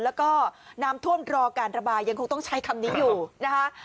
แล้วก็น้ำท่วมรอการระบายยังคงต้องใช้คำนี้อยู่นะคะ